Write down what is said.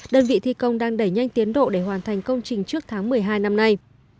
đơn vị thi công đang đẩy nhanh tiến độ để hoàn thành công trình trước tháng một mươi hai năm nay